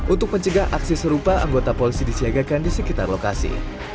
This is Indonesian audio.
untuk mencegah aksi serupa anggota polisi disiagakan di sekitar lokasi